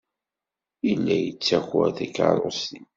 Yella yettaker tikeṛṛusin.